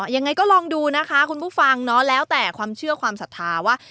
ยังไงก็ลองดูนะคะคุณผู้ฟังเนาะแล้วแต่ความเชื่อความศรัทธาว่า